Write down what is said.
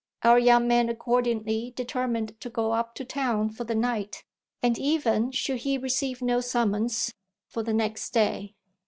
Our young man accordingly determined to go up to town for the night, and even, should he receive no summons, for the next day.